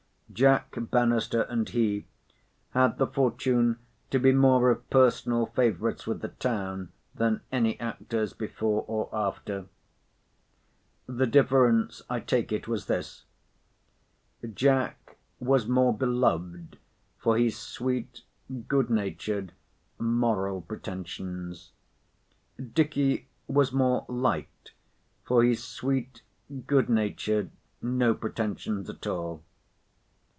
Jack Bannister and he had the fortune to be more of personal favourites with the town than any actors before or after. The difference, I take it, was this:—Jack was more beloved for his sweet, good natured, moral, pretensions. Dicky was more liked for his sweet, good natured, no pretensions at all.